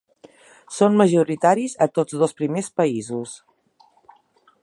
Són majoritaris a tots dos primers països.